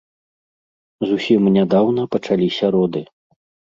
Зусім нядаўна пачаліся роды.